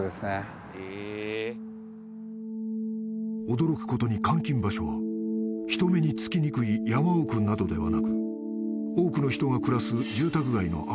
［驚くことに監禁場所は人目につきにくい山奥などではなく多くの人が暮らす］